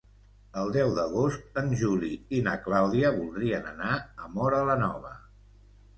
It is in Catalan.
El deu d'agost en Juli i na Clàudia voldrien anar a Móra la Nova.